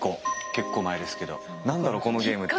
結構前ですけど「何だろうこのゲーム」って。